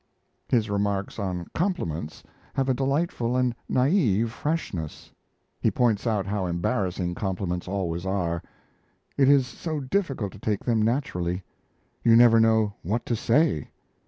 His remarks on compliments have a delightful and naive freshness. He points out how embarrassing compliments always are. It is so difficult to take them naturally. You never know what to say.